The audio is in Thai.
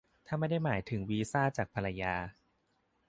ถ้าไม่ได้หมายถึงวีซ่าจากภรรยา